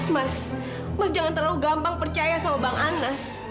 mas mas jangan terlalu gampang percaya sama bang anas